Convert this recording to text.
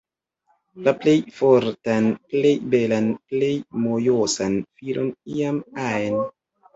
La plej fortan, plej belan, plej mojosan filon iam ajn